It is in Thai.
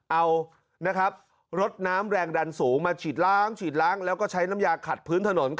เอารถน้ำแรงดันสูงมาฉีดล้างฉีดล้างแล้วก็ใช้น้ำยาขัดพื้นถนน